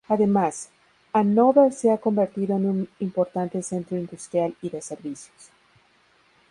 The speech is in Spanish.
Además, Hannover se ha convertido en un importante centro industrial y de servicios.